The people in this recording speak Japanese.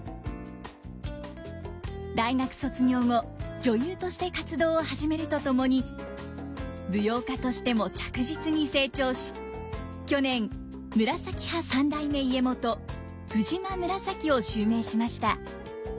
大学卒業後女優として活動を始めるとともに舞踊家としても着実に成長し去年紫派三代目家元藤間紫を襲名しました。